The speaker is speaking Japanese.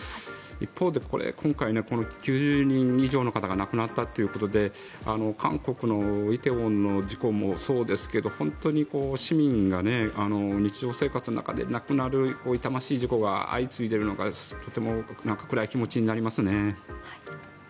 一方で今回、９０人以上の方が亡くなったということで韓国の梨泰院の事故もそうですけど本当に市民が日常生活の中で亡くなる痛ましい事故が相次いでいるのがとても暗い気持ちになりますね。